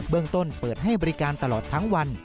เมืองต้นเปิดให้บริการตลอดทั้งวัน